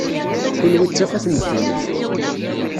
Kenwi d tafat n ddunit.